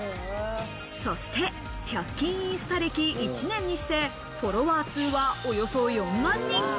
そして、１００均インスタ歴１年にしてフォロワー数はおよそ４万人。